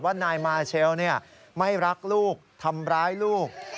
นายมาเชลไม่รักลูกทำร้ายลูก